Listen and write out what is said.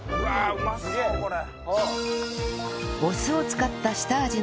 うまそうこれ。